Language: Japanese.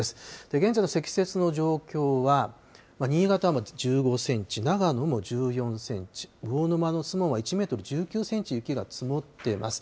現在の積雪の状況は、新潟は１５センチ、長野も１４センチ、魚沼の守門は１メートル１９センチ雪が積もっています。